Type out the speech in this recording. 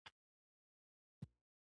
زمونږ بیرغ درې رنګه لري.